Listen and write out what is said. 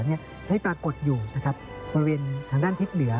ให้ปรากฏอยู่บริเวณทางด้านทิศเหนือ